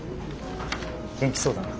元気そうだな。